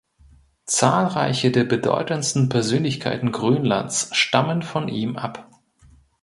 Zahlreiche der bedeutendsten Persönlichkeiten Grönlands stammen von ihm ab.